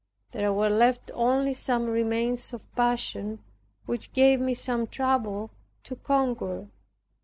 There were left only some remains of passion, which gave me some trouble to conquer.